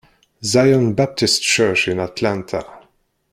Zion Baptist Church in Atlanta.